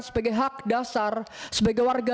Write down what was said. sebagai hak dasar sebagai warga